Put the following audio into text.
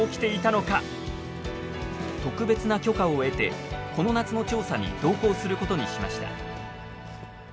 特別な許可を得てこの夏の調査に同行することにしました。